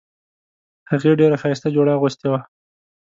هغې ډیره ښایسته جوړه اغوستې وه